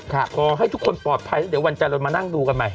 ขอให้ทุกคนปลอดภัยแล้วเดี๋ยววันจันทร์เรามานั่งดูกันใหม่